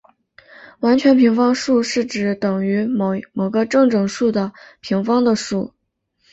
完全平方数是指等于某个正整数的平方的数。